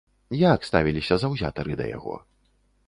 Як ставіліся заўзятары да яго?